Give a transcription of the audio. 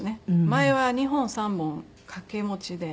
前は２本３本掛け持ちで。